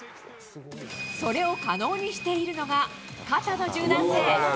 それを可能にしているのが肩の柔軟性。